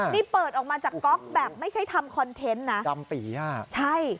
นี่เปิดออกมาจากก๊อกแบบไม่ใช่ทำคอนเทนต์นะดำปีอ่ะใช่